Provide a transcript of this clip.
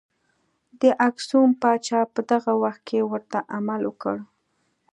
د اکسوم پاچا په دغه وخت کې ورته عمل وکړ.